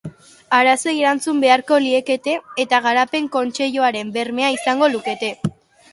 Arazoei erantzun beharko liekete eta Garapen Kontseiluaren bermea izango lukete.